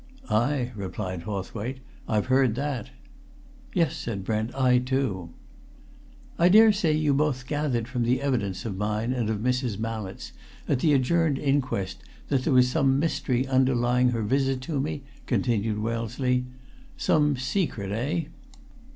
"Ay!" replied Hawthwaite. "I've heard that." "Yes," said Brent. "I too." "I dare say you both gathered from that evidence, of mine and of Mrs. Mallett's, at the adjourned inquest, that there was some mystery underlying her visit to me?" continued Wellesley. "Some secret, eh?"